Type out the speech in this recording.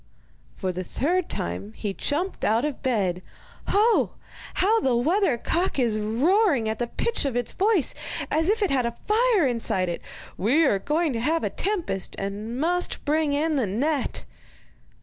For the third time he jumped out of bed. 'Ho! how the weather cock is roaring at the pitch of its voice, as if it had a fire inside it! We are going to have a tempest, and must bring in the net.